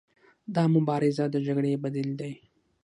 دا مبارزه د جګړې بدیل دی.